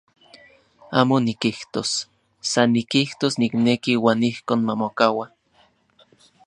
Amo nikijtos, san nikijtos nikneki uan ijkon mamokaua.